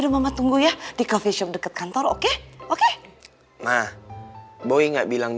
kamu datengnya sendirian